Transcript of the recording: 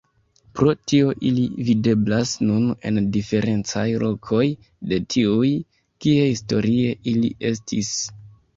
Pro tio ili videblas nun en diferencaj lokoj de tiuj kie historie ili estis.